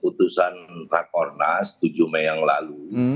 putusan rakornas tujuh mei yang lalu